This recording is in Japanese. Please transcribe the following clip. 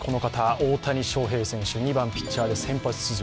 大谷翔平選手２番・ピッチャーで先発出場